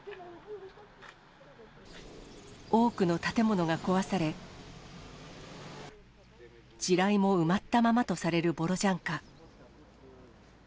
多くの建物が壊され、地雷も埋まったままとされるボロジャンカ。